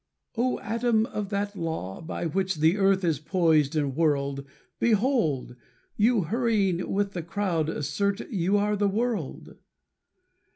"O atom of that law, by which the earth Is poised and whirled; Behold! you hurrying with the crowd assert You are the world."